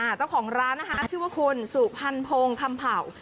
เจ้าของร้านชื่อว่าคุณสุพันธ์โพงคำเผ่า